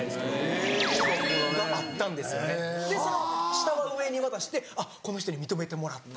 下は上に渡して「あっこの人に認めてもらった」。